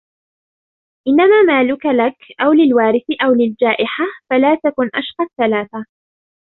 إنَّمَا مَالُك لَك أَوْ لِلْوَارِثِ أَوْ لِلْجَائِحَةِ فَلَا تَكُنْ أَشْقَى الثَّلَاثَةِ